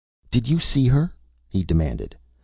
"Did you see her?" he demanded.